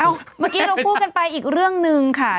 เมื่อกี้เราพูดกันไปอีกเรื่องหนึ่งค่ะ